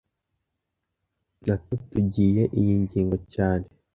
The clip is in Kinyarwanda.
Natatugiye iyi ngingo cyane